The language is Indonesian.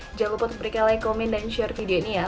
jangan lupa untuk memberikan like comment dan share video ini ya